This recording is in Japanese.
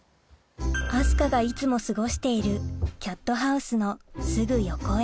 明日香がいつも過ごしているキャットハウスのすぐ横へ